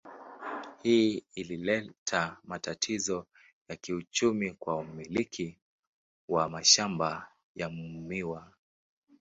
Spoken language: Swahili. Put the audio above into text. Hii ilileta matatizo ya kiuchumi kwa wamiliki wa mashamba ya miwa.